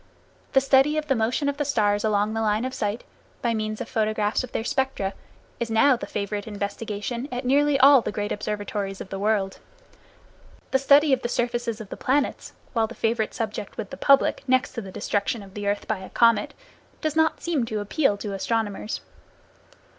The study of the motion of the stars along the line of sight, by means of photographs of their spectra, is now the favorite investigation at nearly all the great observatories of the world. The study of the surfaces of the planets, while the favorite subject with the public, next to the destruction of the earth by a comet, does not seem to appeal to astronomers.